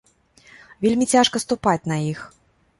Вельмі цяжка ступаць на іх.